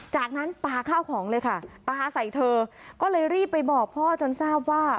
จากนั้นปลาข้าวของเลยค่ะปลาใส่เธอก็เลยรีบไปบอกพ่อจนทราบว่า